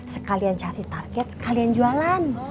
sekalian cari target sekalian jualan